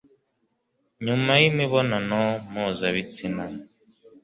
nyuma y'imibonano mpuza bitsina